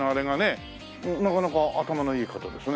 なかなか頭のいい方ですね。